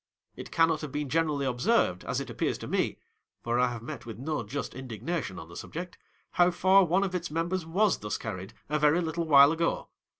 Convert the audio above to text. It cannot have been generally observed, as it appears to me (for I have met with no just indignation on the subject), how far one of its members was thus carried, a very little while ago.